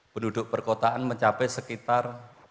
penduduk perkotaan mencapai sekitar